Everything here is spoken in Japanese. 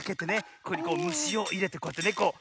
ここにむしをいれてこうやってねこう。